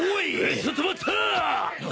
ちょっと待った！え！？